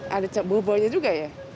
ada bubunya juga ya